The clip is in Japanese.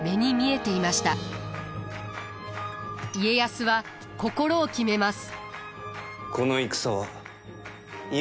家康は心を決めます。